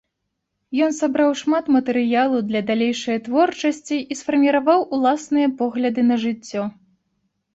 Ён сабраў шмат матэрыялу для далейшае творчасці і сфарміраваў уласныя погляды на жыццё.